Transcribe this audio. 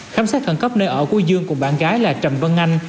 khám sát khẩn cấp nơi ở của dương cùng bạn gái là trầm vân anh